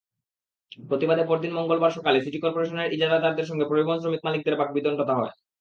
প্রতিবাদে পরদিন মঙ্গলবার সকালে সিটি করপোরেশনের ইজারাদারদের সঙ্গে পরিবহন শ্রমিক-মালিকদের বাগিবতণ্ডা হয়।